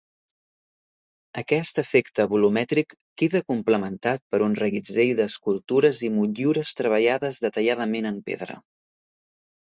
Aquest efecte volumètric queda complementat per un reguitzell d'escultures i motllures treballades detalladament en pedra.